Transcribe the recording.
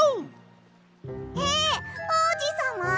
えおうじさま？